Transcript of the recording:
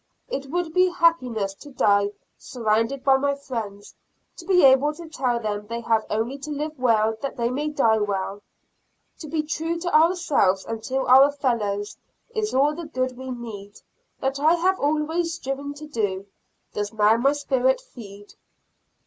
It would be happiness to die surrounded by my friends, to be able to tell them they have only to live well that they may die well. To be true to ourselves and to our fellows, is all the good we need. That I have always striven to do, does now my spirit feed.